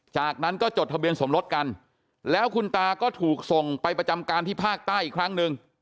จากนั้นก็จดทะเบียนสมรสกันแล้วคุณตาก็ถูกส่งไปประจำการที่ภาคใต้อีกครั้งหนึ่ง